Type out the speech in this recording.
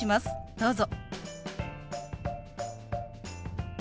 どうぞ。